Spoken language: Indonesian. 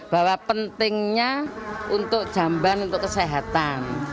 bahwa pentingnya untuk jamban untuk kesehatan